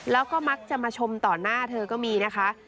แล้วก็มักจะมาชมต่อหน้าเธอก็มีนะคะ